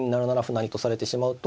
成とされてしまうと。